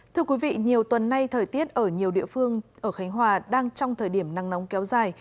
thưa quý vị nhiều tuần nay thời tiết ở nhiều địa phương ở khánh hòa đang trong thời điểm nắng nóng kéo dài